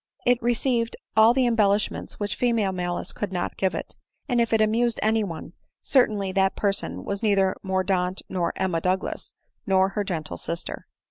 It received all the embellish ments which female malice could give it; and if it amused any one, certainly that person was neither Mor daunt, nor Emma Douglas, nor her gentle sister.